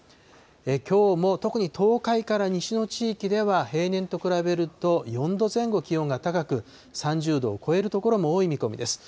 きょうも特に東海から西の地域では、平年と比べると４度前後気温が高く、３０度を超える所も多い見込みです。